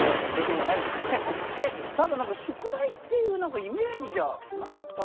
ただ何か「宿題」っていうイメージじゃなかったんですよね。